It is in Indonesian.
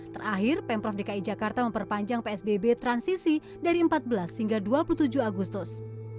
terakhir pemprov dki jakarta memperpanjang psbb transisi dari empat belas hingga dua puluh tujuh agustus